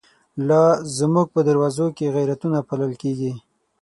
لا زمونږ په دروازو کی، غیرتونه پا لل کیږی